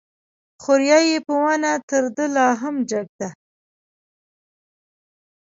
خور يې په ونه تر ده لا هم جګه ده